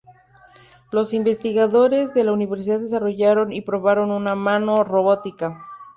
Los investigadores de la Universidad desarrollaron y probaron una mano robótica.